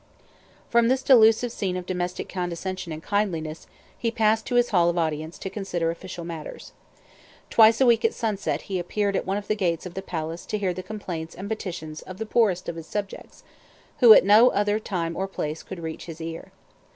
From this delusive scene of domestic condescension and kindliness he passed to his Hall of Audience to consider official matters. Twice a week at sunset he appeared at one of the gates of the palace to hear the complaints and petitions of the poorest of his subjects, who at no other time or place could reach his ear.